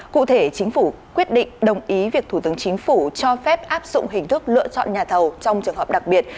cụ thể chính phủ quyết định đồng ý việc thủ tướng chính phủ cho phép áp dụng hình thức lựa chọn nhà thầu trong trường hợp đặc biệt